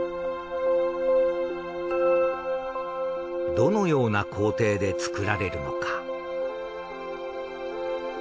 どのような工程で作られるのか？